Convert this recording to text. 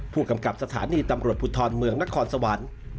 ผู้กำกับสถานีตำรวจภูทรเมืองนครสวรรค์